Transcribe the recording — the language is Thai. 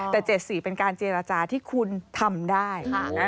แต่๗๔เป็นการเจรจาที่คุณทำได้